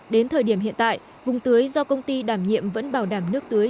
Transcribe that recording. đến thời điểm hiện tại vùng tưới do công ty đảm nhiệm vẫn bảo đảm nước tưới